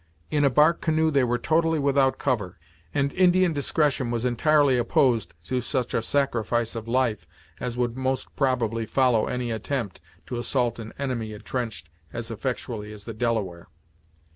In a bark canoe they were totally without cover, and Indian discretion was entirely opposed to such a sacrifice of life as would most probably follow any attempt to assault an enemy entrenched as effectually as the Delaware.